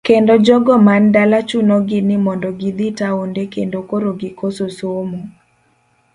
Kendo jogo man dala chuno gi ni mondo gidhi taonde kendo koro gikoso somo.